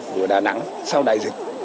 của đà nẵng sau đại dịch